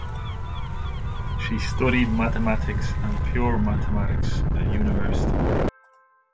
She studied mathematics and pure mathematics at university.